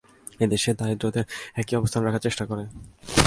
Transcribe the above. এই দেশ দরিদ্রদের একই অবস্থানে রাখার চেষ্টা করে।